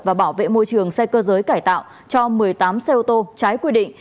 và bảo vệ môi trường xe cơ giới cải tạo cho một mươi tám xe ô tô trái quy định